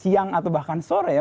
siang atau bahkan sore ya